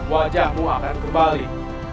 wajahmu akan kembali